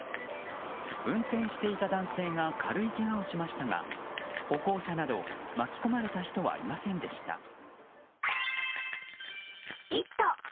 運転していた男性が軽いけがをしましたが歩行者など、巻き込まれた人はいませんでした。